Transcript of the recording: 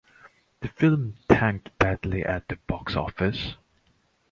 The film tanked badly at the box office.